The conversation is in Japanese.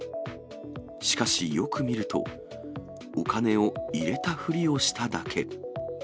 しかし、よく見ると、お金を入れたふりをしただけ。